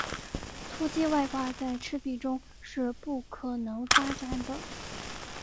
脱机外挂在赤壁中是不可能发展的。